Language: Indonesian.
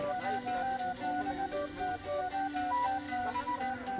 bagaimana masyarakatnya bisa berusaha untuk membangun desa